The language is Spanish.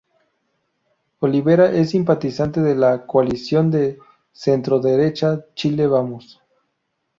Olivera es simpatizante de la coalición de centroderecha Chile Vamos.